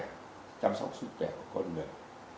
chăm sóc sức khỏe của con người